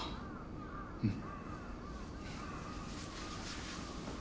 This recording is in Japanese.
うん。